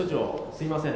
すいません